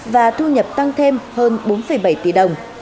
và thu nhập tăng thêm hơn bốn bảy tỷ đồng